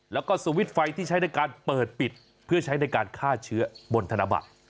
แล้วก็สวิตช์ไฟที่ใช้ในการเปิดปิดเพื่อใช้ในการฆ่าเชื้อบนธนบัตร